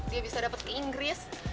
dia bisa dapet ke inggris